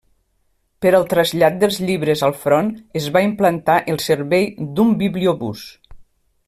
Per al trasllat dels llibres al front es va implantar el servei d'un bibliobús.